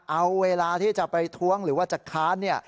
เอาเวลาที่จะไปท้วงหรือว่าจะค้านเนี่ย